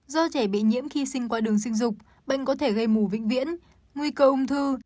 do trẻ bị nhiễm khi sinh qua đường sinh dục bệnh có thể gây mù vĩnh viễn nguy cơ ung thư